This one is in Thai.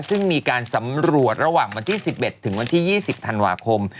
ซึ่งมีการสำรวจระหว่างวันที่๑๑ถึงวันที่๒๐ธันวาคม